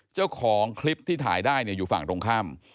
เจ้าของคลิปที่ถ่ายได้อยู่ฝั่งตรงข้าม